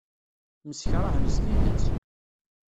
Msekṛahen s tidet.